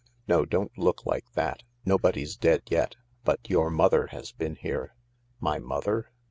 No, don't look like that— nobody's dead yet — but your mother's been here." " My mother